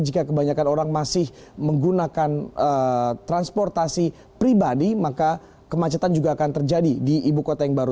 jika kebanyakan orang masih menggunakan transportasi pribadi maka kemacetan juga akan terjadi di ibu kota yang baru